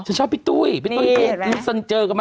นายกตู้นะฮะ